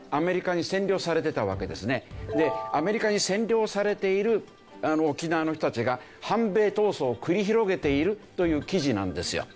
この頃アメリカに占領されている沖縄の人たちが反米闘争を繰り広げているという記事なんですよ。